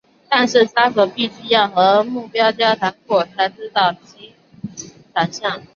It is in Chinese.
但是杀手必须要和目标交谈过才能知道其长相。